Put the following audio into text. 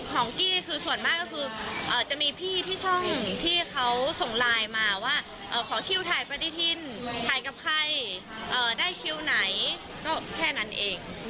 กี้คือส่วนมากก็คือจะมีพี่ที่ช่องที่เขาส่งไลน์มาว่าขอคิวถ่ายปฏิทินถ่ายกับใครได้คิวไหนก็แค่นั้นเอง